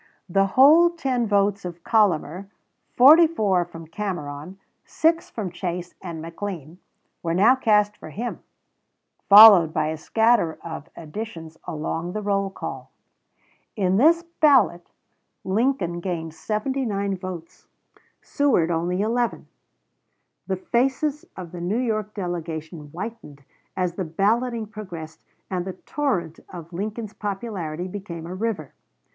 The whole 10 votes of Collamer, 44 from Cameron, 6 from Chase and McLean, were now cast for him, followed by a scatter of additions along the roll call. In this ballot Lincoln gained 79 votes, Seward only 11. The faces of the New York delegation whitened as the balloting progressed and the torrent of Lincoln's popularity became a river.